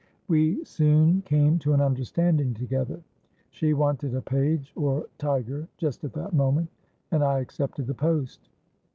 We soon came to an understanding together; she wanted a page, or tiger, just at that moment, and I accepted the post.